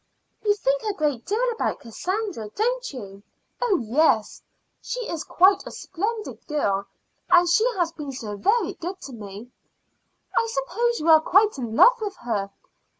"You think a great deal about Cassandra, don't you?" "Oh, yes; she is quite a splendid girl, and she has been so very good to me." "I suppose you are quite in love with her?"